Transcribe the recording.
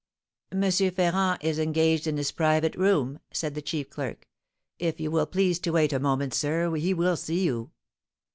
"M. Ferrand is engaged in his private room," said the chief clerk. "If you will please to wait a moment, sir, he will see you."